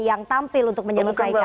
yang tampil untuk menyelesaikan